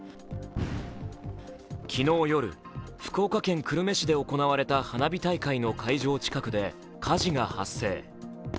昨日夜、福岡県久留米市で行われた花火大会の会場近くで火事が発生。